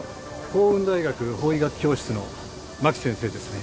興雲大学法医学教室の万木先生ですね？